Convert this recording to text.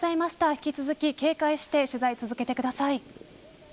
引き続き警戒して取材、続けてください。